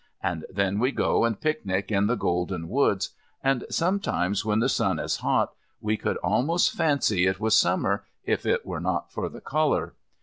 And then we go and picnic in the golden woods, and sometimes when the sun is hot we could almost fancy it was summer if it were not for the colour.